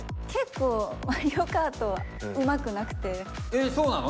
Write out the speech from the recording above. えっそうなの？